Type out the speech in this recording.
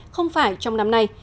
không phải trong năm nay